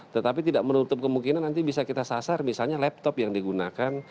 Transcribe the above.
tetapi tidak menutup kemungkinan nanti bisa kita sasar misalnya laptop yang digunakan